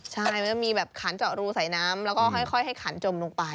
ใช่มันจะมีแบบขันเจาะรูใส่น้ำแล้วก็ค่อยให้ขันจมลงไป